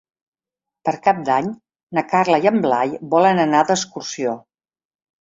Per Cap d'Any na Carla i en Blai volen anar d'excursió.